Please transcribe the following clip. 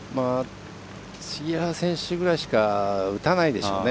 杉原選手ぐらいしか打たないでしょうね。